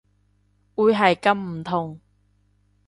會係咁唔同